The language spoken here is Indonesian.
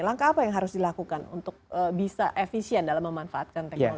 langkah apa yang harus dilakukan untuk bisa efisien dalam memanfaatkan teknologi